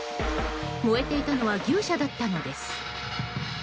燃えていたのは牛舎だったのです。